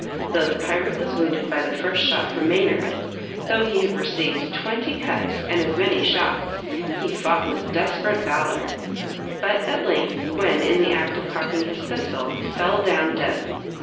Though the pirate was wounded by the first shot from Maynard, though he had received twenty cuts, and as many shots, he fought with desperate valor; but at length, when in the act of cocking his pistol, fell down dead.